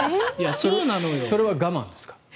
それは我慢ですか？